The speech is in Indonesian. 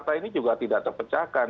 fakta ini juga tidak terpecahkan